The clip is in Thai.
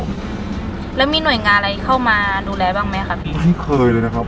ไม่เคยเลยนะครับ